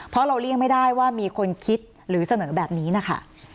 เพราะเราเลี่ยงไม่ได้ว่ามีคนคิดหรือเสนอแบบนี้นะคะ